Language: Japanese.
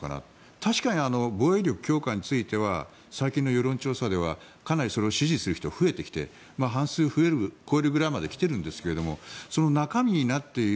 確かに防衛力強化については最近の世論調査ではかなりそれを支持する人が増えてきて半数超えるくらいまで増えてきているんですがその中身になっている